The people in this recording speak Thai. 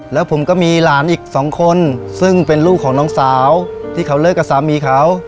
แล้วผมก็มีหลานอีกสองคนซึ่งเป็นลูกของน้องสาวที่เขาเลิกกับสามีเขา